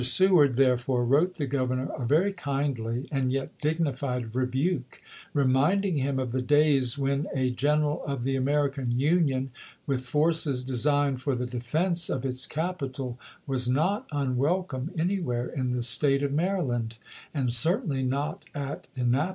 Seward therefore wrote the Grovernor a very kindly and yet dignified rebuke, reminding him of the days " when a general of the American Union with forces designed for the defense of its capital was not unwelcome anywhere in the State of Maryland, and certainly not at Annapolis "; and Q^^^^.